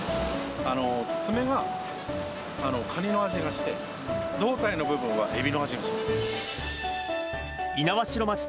爪がカニの味がして、胴体の部分はエビの味がします。